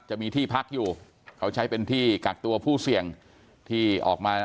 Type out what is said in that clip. จะมีที่พักอยู่เขาใช้เป็นที่กักตัวผู้เสี่ยงที่ออกมา